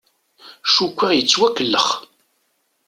Cukkeɣ yettwakellex.